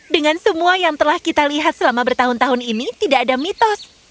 dengan semua yang telah kita lihat selama bertahun tahun ini tidak ada mitos